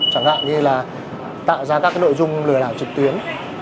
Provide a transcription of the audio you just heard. chẳng hạn như là tạo ra các nội dung lừa đảo trực tuyến